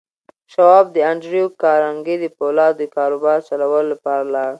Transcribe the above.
شواب د انډريو کارنګي د پولادو د کاروبار چلولو لپاره لاړ.